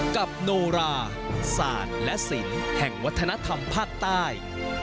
โนราศาสตร์และศิลป์แห่งวัฒนธรรมภาคใต้